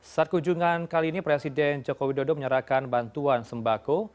saat kunjungan kali ini presiden joko widodo menyerahkan bantuan sembako